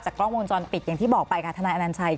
กล้องวงจรปิดอย่างที่บอกไปค่ะทนายอนัญชัย